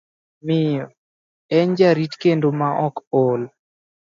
Miyo, en jarit kendo maok ol.